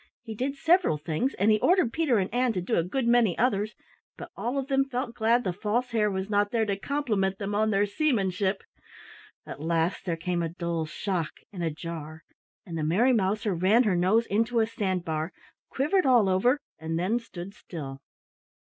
He did several things and he ordered Peter and Ann to do a good many others, but all of them felt glad the False Hare was not there to compliment them on their seamanship. At last there came a dull shock and a jar, and the Merry Mouser ran her nose into a sand bar, quivered all over, and then stood still.